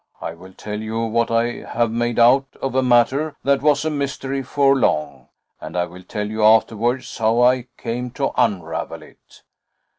I will tell you what I have made out of a matter that was a mystery for long, and I will tell you afterwards how I came to unravel it.